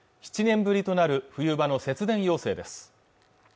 ７年ぶりとなる冬場の節電要請です